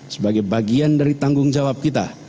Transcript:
sebagai bagian dari tanggung jawab kita